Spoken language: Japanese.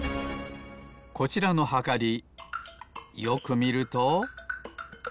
こちらのはかりよくみると。